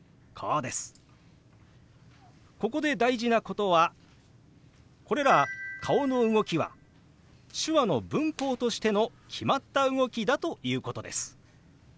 ここで大事なことはこれら顔の動きは手話の文法としての決まった動きだということです。